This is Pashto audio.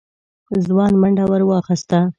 ځوان منډه ور واخيسته.